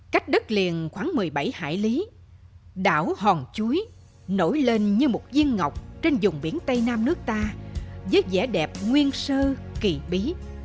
cách đất liền khoảng một mươi bảy hải lý đảo hòn chuối nổi lên như một duyên ngọc trên dùng biển tây nam nước ta với vẻ đẹp nguyên sơ kỳ bí